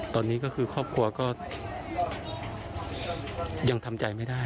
ตอนนี้ก็คือครอบครัวก็ยังทำใจไม่ได้